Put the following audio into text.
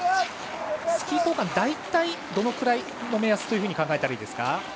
スキー交換、大体どのくらいの目安と考えたらいいですか。